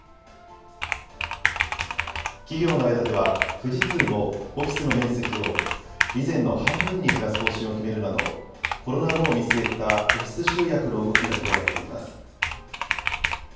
企業の間では、富士通も、オフィスの面積を以前の半分に減らす方針を決めるなど、コロナ後を見据えたオフィス集約の動きが広がっています。